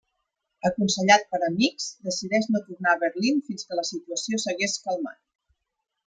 Aconsellat per amics, decideix no tornar a Berlín fins que la situació s'hagués calmat.